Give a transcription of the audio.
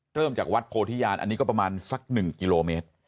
จากวัดโพธิญาณอันนี้ก็ประมาณสัก๑กิโลเมตร